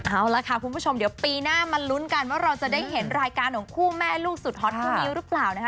เอาล่ะค่ะคุณผู้ชมเดี๋ยวปีหน้ามาลุ้นกันว่าเราจะได้เห็นรายการของคู่แม่ลูกสุดฮอตคู่นี้หรือเปล่านะคะ